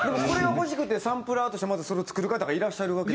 これが欲しくてサンプラーとしてそれを作る方がいらっしゃる。